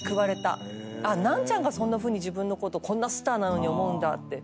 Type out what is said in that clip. ナンチャンがそんなふうに自分のことこんなスターなのに思うんだって。